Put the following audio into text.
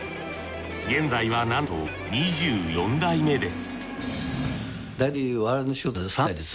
現在はなんと２４代目です